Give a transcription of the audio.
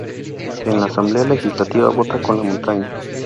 En la Asamblea legislativa, vota con "la Montaña".